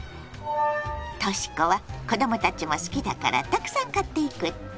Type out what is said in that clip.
とし子は子供たちも好きだからたくさん買っていくって？